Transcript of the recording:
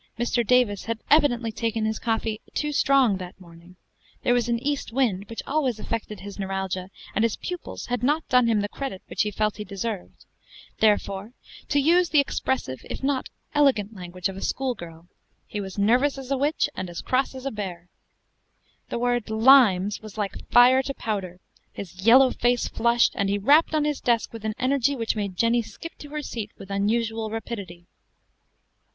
Mr. Davis had evidently taken his coffee too strong that morning; there was an east wind, which always affected his neuralgia, and his pupils had not done him the credit which he felt he deserved; therefore, to use the expressive if not elegant language of a school girl, "he was as nervous as a witch, and as cross as a bear." The word "limes" was like fire to powder: his yellow face flushed, and he rapped on his desk with an energy which made Jenny skip to her seat with unusual rapidity.